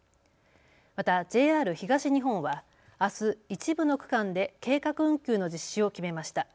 またＪＲ東日本はあす一部の区間で計画運休の実施を決めました。